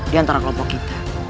di antara kelompok kita